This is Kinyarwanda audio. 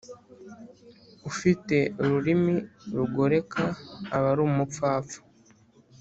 ufite ururimi rugoreka aba ari umupfapfa